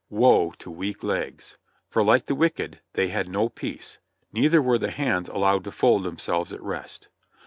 Woe to weak legs! For like the wicked, they had no peace; neither were the hands allowed to fold themselves at rest.